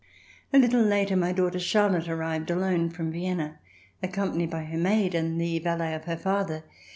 A little later my daughter Charlotte arrived alone from Vienna, accompanied by her maid and the va let of her father.